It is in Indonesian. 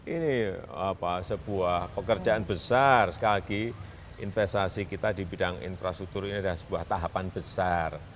ini sebuah pekerjaan besar sekali lagi investasi kita di bidang infrastruktur ini adalah sebuah tahapan besar